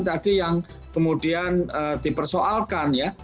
tadi yang kemudian dipersoalkan ya